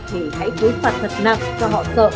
thì hãy cúi phạt thật nặng cho họ sợ